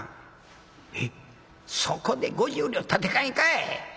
「そこで５０両立て替えんかい！